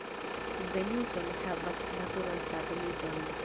Venuso ne havas naturan sateliton.